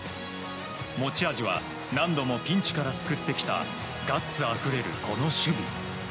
持ち味は何度もピンチから救ってきたガッツあふれる、この守備。